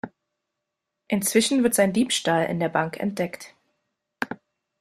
Inzwischen wird sein Diebstahl in der Bank entdeckt.